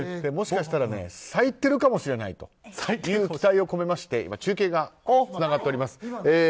もしかしたら咲いてるかもしれないという期待を込めまして今、中継がつながっています。